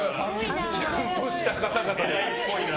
ちゃんとした方々です。